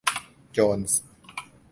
โจนส์